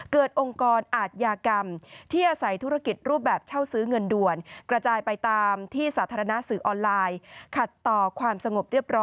เกิดองค์กรอาจยากรรมที่อาศัยธุรกิจรูปแบบเช่าซื้อเงินด่วน